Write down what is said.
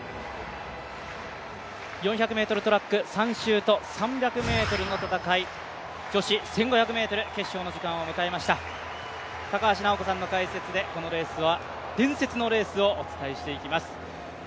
４００ｍトラック３周と３００ｍの戦い、女子１５００ｍ決勝の時間を迎えました高橋尚子さんの解説でこのレースを伝説のレースをお伝えしていきます。